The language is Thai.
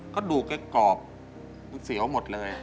กระดูกแกกรอบมันเสียวหมดเลย